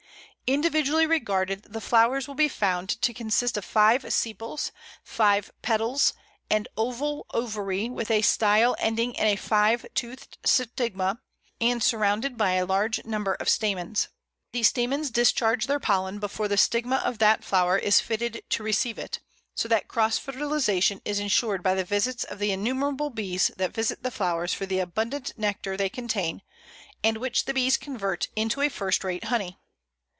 Individually regarded, the flowers will be found to consist of five sepals, five petals, an oval ovary with a style ending in a five toothed stigma, and surrounded by a large number of stamens. The stamens discharge their pollen before the stigma of that flower is fitted to receive it, so that cross fertilization is ensured by the visits of the innumerable bees that visit the flowers for the abundant nectar they contain, and which the bees convert into a first rate honey.